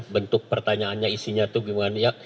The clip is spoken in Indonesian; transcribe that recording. bentuk pertanyaannya isinya itu gimana ya